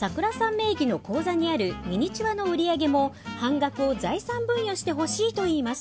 名義の口座にあるミニチュアの売り上げも半額を財産分与してほしいと言います。